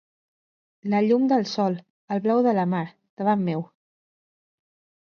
La llum del sol, el blau de la mar, davant meu.